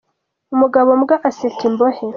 Umugabo mbwa aseka imbohe.